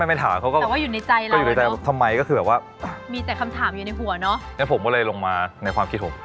หรือว่าเสียใจหรือยังไงตั้ง